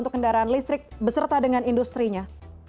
untuk kendaraan listrik beserta dengan industri nya